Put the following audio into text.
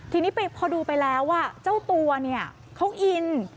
ทีนี้พอดูไปแล้วเจ้าตัวเนี่ยเขาอิน